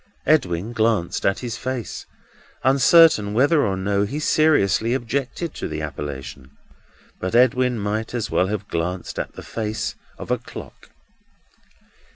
Edwin glanced at his face, uncertain whether or no he seriously objected to the appellation. But Edwin might as well have glanced at the face of a clock.